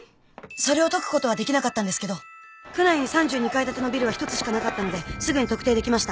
それを解くことはできなかったんですけど区内に３２階建てのビルは１つしかなかったのですぐに特定できました。